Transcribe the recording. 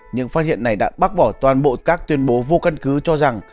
nhưng phát hiện này đã bác bỏ toàn bộ các tuyên bố vô căn cứ cho rằng